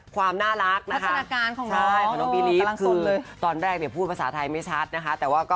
ความน่ารักนะคะตอนแรกเนี่ยพูดภาษาไทยไม่ชัดนะคะแต่ว่าก็